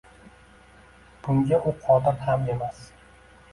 bunga u qodir ham emas.